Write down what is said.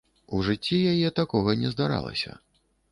У жыцці яе такога не здаралася.